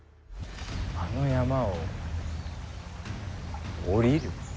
あの山を下りる。